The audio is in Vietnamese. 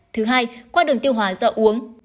thứ hai qua đường tiêu hóa do uống